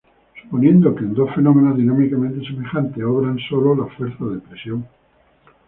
Suponiendo que en dos fenómenos dinámicamente semejantes obran solo las fuerzas de presión.